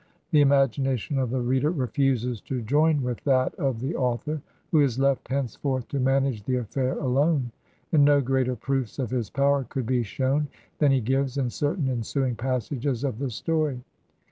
The imagination of the reader refuses to join with that of the author, who is left henceforth to manage the aflFair alone; and no greater proofs of his power could be shown than he gives in certain ensuing passages of the story.